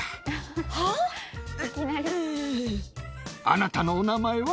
は？あなたのお名前は？